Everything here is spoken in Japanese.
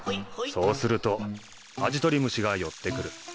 そうするとアジトリムシが寄ってくる。